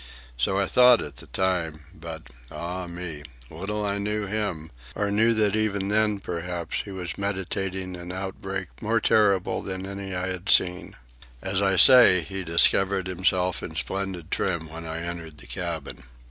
So I thought at the time; but, ah me, little I knew him or knew that even then, perhaps, he was meditating an outbreak more terrible than any I had seen. As I say, he discovered himself in splendid trim when I entered the cabin.